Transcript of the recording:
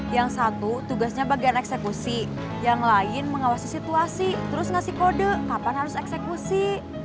yang satu tugasnya bagian eksekusi yang lain mengawasi situasi terus ngasih kode kapan harus eksekusi